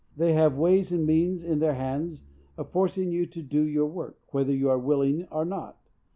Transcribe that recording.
They have ways and means in their hands of forcing you to do your work, whether you are willing or not.